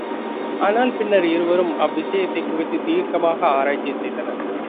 ஆனால் பின்னர் இருவரும் அவ்விசயத்தைக் குறித்துத் தீர்க்கமாக ஆராய்ச்சி செய்தனர்.